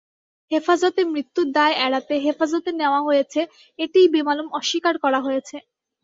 হেফাজতে মৃত্যুর দায় এড়াতে হেফাজতে নেওয়া হয়েছে এটিই বেমালুম অস্বীকার করা হয়েছে।